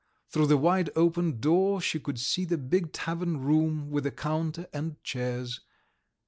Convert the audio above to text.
Through the wide open door she could see the big tavern room with a counter and chairs.